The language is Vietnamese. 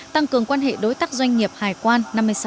tăng cường quan hệ đối tác doanh nghiệp hải quan năm mươi sáu